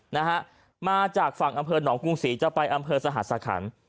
นะฮะมาจากฝั่งอำเภอหนองกรุงศรีจะไปอำเภอสหสคัน